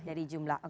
dari jumlah oke